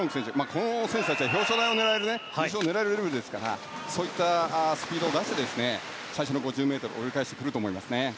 この選手たちは表彰台を狙えますからそういったスピードを出して返しの５０ｍを泳ぎ返してくると思いますね。